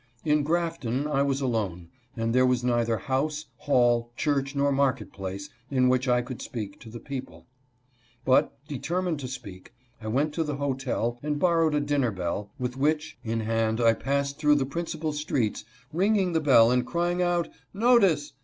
In Grafton I was alone, and there was neither house, hall, church, nor market place in which I could speak to the people ; but, determined to speak, I went to the hotel and borrowed a dinner bell, with which in hand I passed through the principal streets, ringing the bell and crying out, " Notice